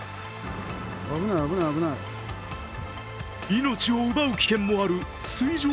命を奪う危険もある水上